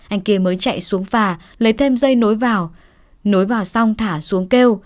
anh kia mới chạy xuống phà lấy thêm dây nối vào nối vào xong thả xuống kêu